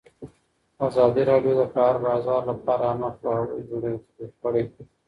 ازادي راډیو د د کار بازار لپاره عامه پوهاوي لوړ کړی.